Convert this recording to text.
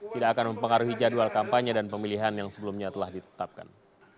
tidak akan mempengaruhi jadwal kampanye dan pemilihan yang sebelumnya telah ditetapkan